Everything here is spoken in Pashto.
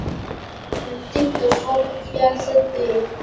منطق د خوب او خیال ضد دی.